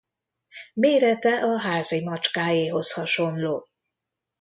Mérete a házi macskáéhoz hasonló.